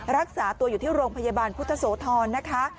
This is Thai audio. รักษาตัวอยู่ที่โรงพยาบาลพุทธโสธรนะคะ